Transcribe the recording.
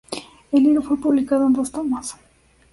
El libro fue publicado en dos tomos.